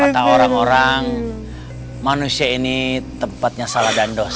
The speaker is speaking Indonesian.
kata orang orang manusia ini tempatnya salah dan dosa